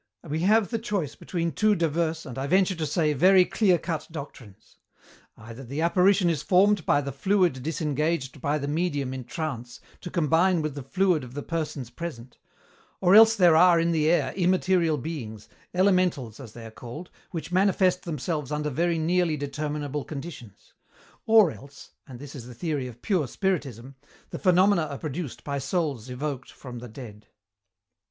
We have the choice between two diverse, and I venture to say, very clear cut doctrines. Either the apparition is formed by the fluid disengaged by the medium in trance to combine with the fluid of the persons present; or else there are in the air immaterial beings, elementals as they are called, which manifest themselves under very nearly determinable conditions; or else, and this is the theory of pure spiritism, the phenomena are produced by souls evoked from the dead."